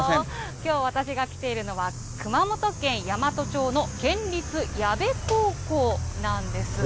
きょう、私が来ているのは、熊本県山都町の県立矢部高校なんです。